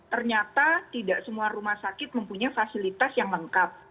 ternyata tidak semua rumah sakit mempunyai fasilitas yang lengkap